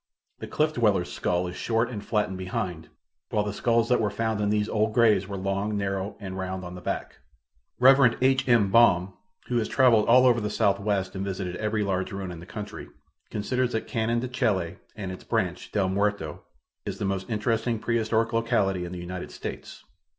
The cliff dwellers' skull is short and flattened behind, while the skulls that were found in these old graves were long, narrow and round on the back. Rev. H. M. Baum, who has traveled all over the southwest and visited every large ruin in the country, considers that Canon de Chelly and its branch, del Muerto, is the most interesting prehistoric locality in the United States.